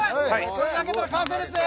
これで焼けたら完成ですね。